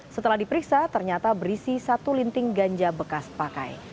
setelah diperiksa ternyata berisi satu linting ganja bekas pakai